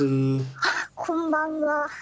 あっこんばんは。